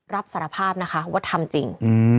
รับสารภาพนะคะว่าทำจริง